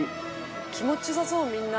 気持ちよさそう、みんな。